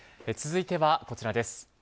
続いてはこちらです。